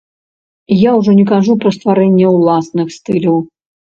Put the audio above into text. Я ўжо не кажу пра стварэнне ўласных стыляў.